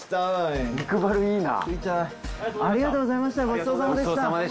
肉バルいいな！